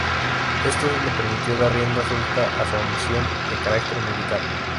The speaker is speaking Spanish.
Esto le permitió dar rienda suelta a su ambición de carácter militar.